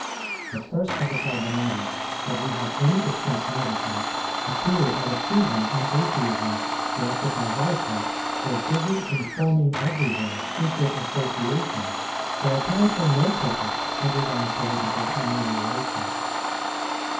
The first of the Carbonari that we have any distinct notice of, appeared at a season when Atheism, directed by Wieshaupt, was busy in forming everywhere secret associations for apparently no purpose other than political amelioration.